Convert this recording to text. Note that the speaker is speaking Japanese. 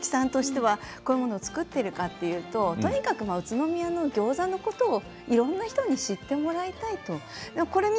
鈴木さんとしてはこういうものを作っているかというととにかく宇都宮のギョーザのことをいろいろな人に知ってもらいたいと。